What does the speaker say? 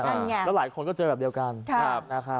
แล้วหลายคนก็เจอแบบเดียวกัน